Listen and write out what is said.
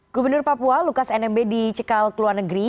gubernur papua lukas nmb di cekal keluar negeri